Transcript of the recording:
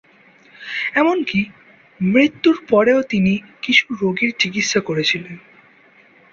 এমনকি মৃত্যুর পরেও তিনি কিছু রোগীর চিকিৎসা করেছিলেন।